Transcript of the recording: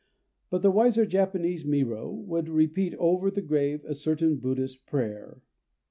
But the wiser Japanese Myro would repeat over the grave a certain Buddhist prayer.